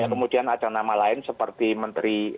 kemudian ada nama lain seperti menteri